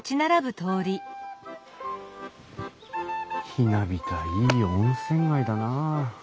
ひなびたいい温泉街だなあ。